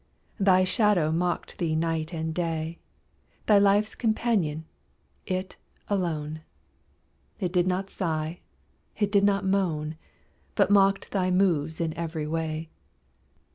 Thy shadow mocked thee night and day, Thy life's companion, it alone; It did not sigh, it did not moan, But mocked thy moves in every way.